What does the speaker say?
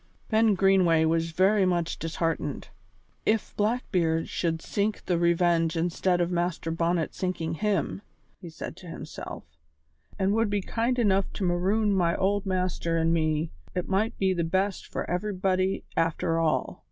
Ben Greenway was very much disheartened. "If Blackbeard should sink the Revenge instead of Master Bonnet sinking him," he said to himself, "and would be kind enough to maroon my old master an' me, it might be the best for everybody after all.